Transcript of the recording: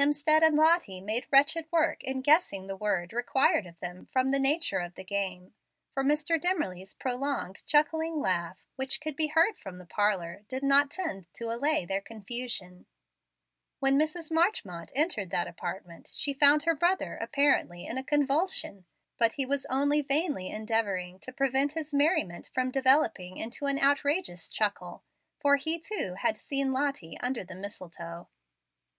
Hemstead and Lottie made wretched work in guessing the word required of them from the nature of the game; for Mr. Dimmerly's prolonged chuckling laugh, which could be heard from the parlor, did not tend to allay their confusion. When Mrs. Marchmont entered that apartment she found her brother apparently in a convulsion; but he was only vainly endeavoring to prevent his merriment from developing into an outrageous chuckle, for he too had seen Lottie under the mistletoe.